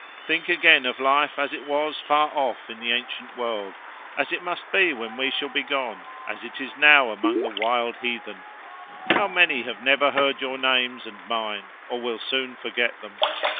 "Think again of life as it was far off in the ancient world; as it must be when we shall be gone; as it is now among the wild heathen. How many have never heard your names and mine, or will soon forget them!